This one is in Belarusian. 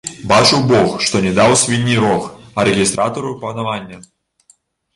Бачыў бог, што не даў свінні рог, а рэгістратару панавання.